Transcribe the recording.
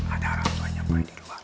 ada orang tuanya boleh di luar